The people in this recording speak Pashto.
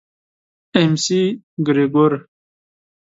اېم سي ګرېګور.